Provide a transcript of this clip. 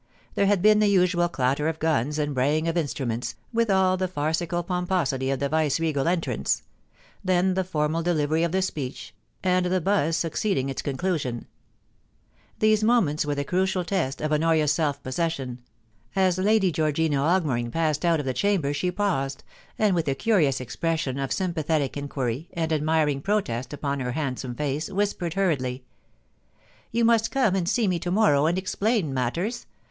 There had been the usual clatter of guns and braying of instruments, with all the farcical pomposity of the viceregal entrance; then the formal delivery of the speech, and the buzz succeed ing its conclusion. These moments were the crucial test of Honoria's self THE ORDEAL. 387 possession. As Lady Georgina Augmering passed out of the chamber she paused, and with a curious expression of sympathetic inquiry and admiring protest upon her hand some (ace whispered hurriedly : 'You must come and see me to morrow and explain matters.